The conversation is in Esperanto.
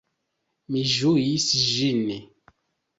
Mi ĝuis ĝin.